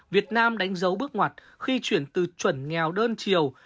việt nam đánh dấu bước ngoặt khi chuyển từ chuẩn nghèo đơn chiều